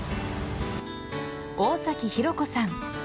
大崎博子さん。